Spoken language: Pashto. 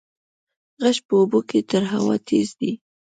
غږ په اوبو کې تر هوا تېز دی.